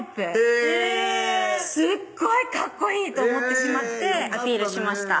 へぇすっごいかっこいいと思ってしまってアピールしました